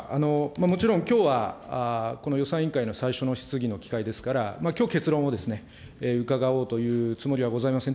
もちろん、きょうはこの予算委員会の最初の質疑の機会ですから、きょう結論を伺おうというつもりはございません。